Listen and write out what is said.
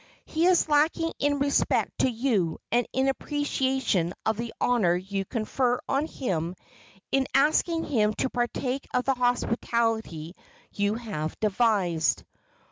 He is lacking in respect to you and in appreciation of the honor you confer on him in asking him to partake of the hospitality you have devised.